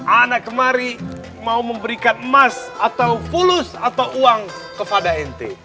anak kemari mau memberikan emas atau fulus atau uang kepada nt